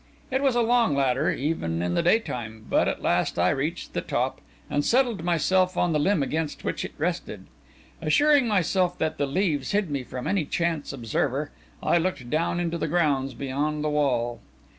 It was a long ladder, even in the daytime, but at last I reached the top, and settled myself on the limb against which it rested. Assuring myself that the leaves hid me from any chance observer, I looked down into the grounds beyond the wall.